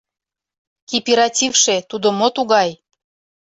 Кипиративше тудо мо тугай?